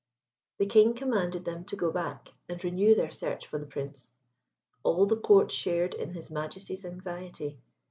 The King commanded them to go back and renew their search for the Prince. All the Court shared in his Majesty's anxiety.